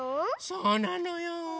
そうなのよ。